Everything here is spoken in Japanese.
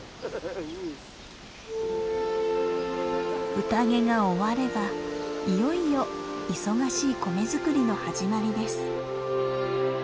うたげが終わればいよいよ忙しい米作りの始まりです。